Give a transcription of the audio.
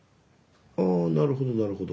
あなるほどなるほど。